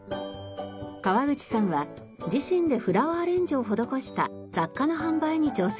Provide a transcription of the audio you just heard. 川口さんは自身でフラワーアレンジを施した雑貨の販売に挑戦中。